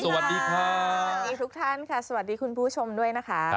สวัสดีทุกท่านค่ะสวัสดีคุณผู้ชมด้วยนะคะ